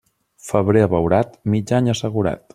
Febrer abeurat, mig any assegurat.